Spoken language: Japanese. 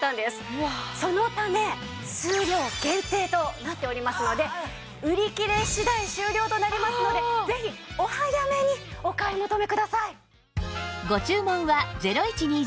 そのため数量限定となっておりますので売り切れ次第終了となりますのでぜひお早めにお買い求めください。